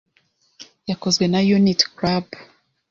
yakozwe na Unity Club.